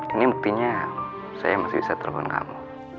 ini buktinya saya masih bisa telepon kamu